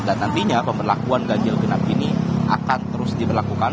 dan nantinya pemberlakuan ganjil genap ini akan terus diberlakukan